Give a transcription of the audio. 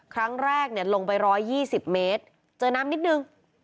ครั้งแรกเนี่ยลงไปร้อยยี่สิบเมตรเจอน้ำนิดหนึ่ง